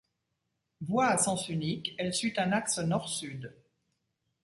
Voie à sens unique, elle suit un axe nord-sud.